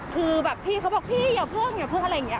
คือแบบพี่เขาบอกพี่อย่าพึ่งอย่าพึ่งอะไรอย่างนี้